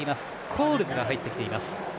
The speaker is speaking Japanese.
コールズが入ってきています。